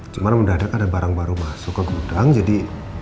cuma mendadak ada barang baru masuk ke gudang jadi